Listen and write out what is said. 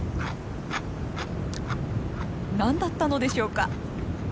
何だったのでしょうか？